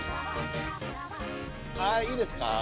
はいいいですか？